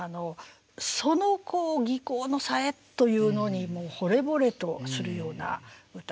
その技巧の冴えというのにもうほれぼれとするような歌ですよね。